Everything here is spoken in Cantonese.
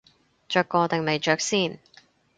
着過定未着先